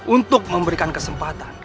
untuk memberikan kesempatan